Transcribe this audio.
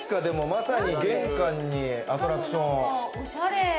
まさに玄関にアトラクション。